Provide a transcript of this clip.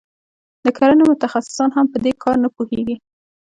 د کرنې متخصصان هم په دې کار نه پوهیږي.